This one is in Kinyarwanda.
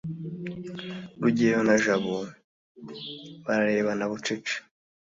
rugeyo na jabo bararebana bucece